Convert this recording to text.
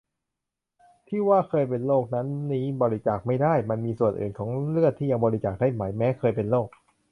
ที่ว่าเคยเป็นโรคนั้นนี้บริจาคไม่ได้ มันมีส่วนอื่นของเลือดที่ยังบริจาคได้ไหม แม้เคยเป็นโรค